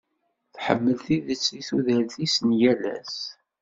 Tḥemmel tidet deg tudert-is n yal ass.